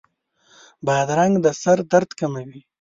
بادرنګ د سر درد کموي.